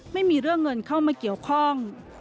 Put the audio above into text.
ไม่มีเรื่องเงินเข้ามาเกี่ยวข้อง